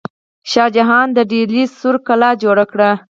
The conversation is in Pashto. شاه جهان د ډیلي سور کلا جوړه کړه.